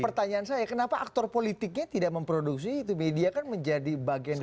pertanyaan saya kenapa aktor politiknya tidak memproduksi itu media kan menjadi bagian dari